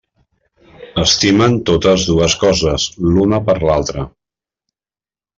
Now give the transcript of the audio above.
Estimen totes dues coses l'una per l'altra.